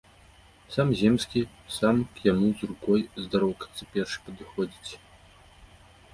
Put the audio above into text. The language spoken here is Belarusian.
Сам земскі, сам к яму з рукою здароўкацца першы падыходзіць.